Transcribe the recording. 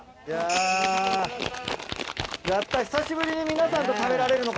やった久しぶりに皆さんと食べられるのかな？